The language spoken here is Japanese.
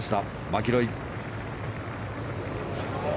マキロイ。